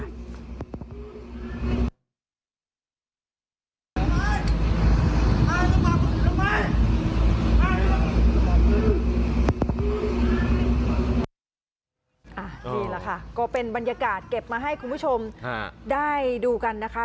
นี่แหละค่ะก็เป็นบรรยากาศเก็บมาให้คุณผู้ชมได้ดูกันนะคะ